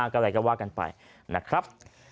๒๓๔๕ก็อะไรก็ว่ากันไปนะครับ